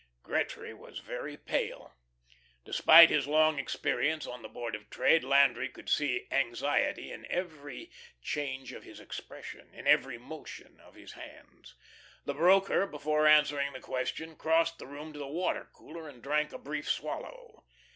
Gretry was very pale. Despite his long experience on the Board of Trade, Landry could see anxiety in every change of his expression, in every motion of his hands. The broker before answering the question crossed the room to the water cooler and drank a brief swallow.